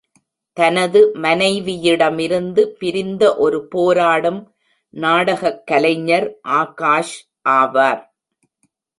தனது மனைவியிடமிருந்து பிரிந்த ஒரு போராடும் நாடகக் கலைஞர் ஆகாஷ் ஆவார்.